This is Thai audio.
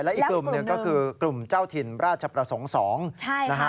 และอีกกลุ่มหนึ่งก็คือกลุ่มเจ้าถิ่นราชประสงค์๒นะฮะ